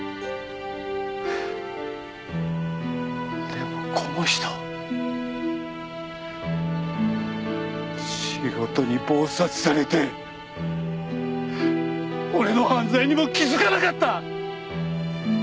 でもこの人仕事に忙殺されて俺の犯罪にも気づかなかった！